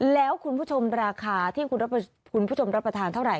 แล้วคุณผู้ชมราคาที่คุณผู้ชมรับประทานเท่าไห